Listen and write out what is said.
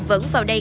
vẫn vào đây